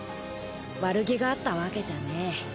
悪気があったわけじゃねえ。